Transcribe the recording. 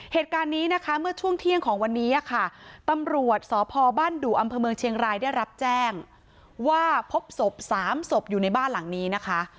เหตุการณ์นี้นะคะเมื่อช่วงเที่ยงของวันนี้ค่ะตำรวจสพบ้านดุอำเภอเมืองเชียงรายได้รับแจ้งว่าพบศพสามศพอยู่ในบ้านหลังนี้นะคะ